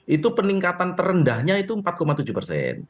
itu peningkatan terendahnya itu empat tujuh persen